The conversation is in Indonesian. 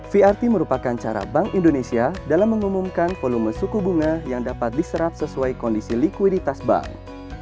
vrt merupakan cara bank indonesia dalam mengumumkan volume suku bunga yang dapat diserap sesuai kondisi likuiditas bank